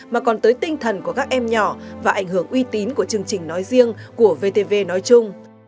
mà còn tới tinh thần của các em nhỏ và ảnh hưởng uy tín của chương trình nói riêng của vtv nói chung